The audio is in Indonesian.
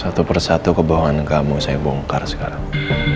satu persatu kebohongan kamu saya bongkar sekarang